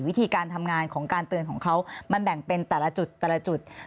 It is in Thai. วิธีการทำงานของการเตือนของเขามันแบ่งเป็นแต่ละจุดแต่ละจุด